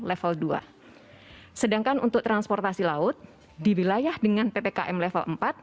di daerah dengan kategori ppkm level empat